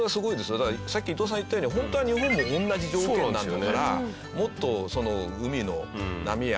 だからさっきいとうさんが言ったように本当は日本も同じ条件なんだからもっとその海の波や。